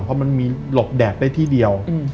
เพราะมันมีหลบแดดได้ที่เดียว